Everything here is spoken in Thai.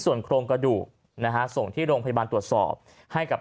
ส่วนโครงกระดูกนะฮะส่งที่โรงพยาบาลตรวจสอบให้กับ